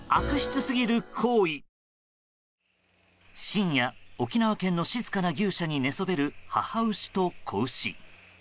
深夜、沖縄県の静かな牛舎に寝そべる母牛と子牛。